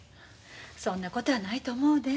そんなことはないと思うで。